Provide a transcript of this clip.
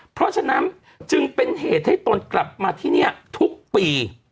เพราะฉะนั้นจึงเป็นเหตุให้ตนกลับมาที่นี่ทุกปี